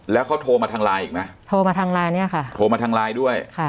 แล้วเขาโทรมาทางไลน์อีกไหมโทรมาทางไลน์เนี่ยค่ะโทรมาทางไลน์ด้วยค่ะ